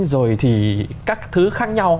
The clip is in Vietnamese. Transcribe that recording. rồi thì các thứ khác nhau